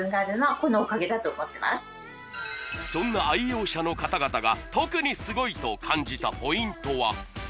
そんな愛用者の方々が特にすごいと感じたポイントは？